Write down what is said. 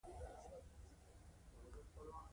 ناجیه تر دې دمه زما تر څنګ ناسته ده